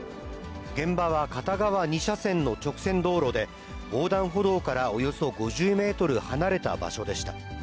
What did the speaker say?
現場は片側２車線の直線道路で、横断歩道からおよそ５０メートル離れた場所でした。